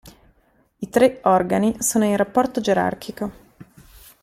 I tre organi sono in rapporto gerarchico.